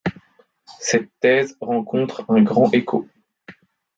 Cette thèse rencontre un grand écho.